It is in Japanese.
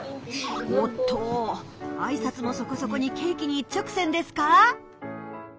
おっとあいさつもそこそこにケーキに一直線ですか！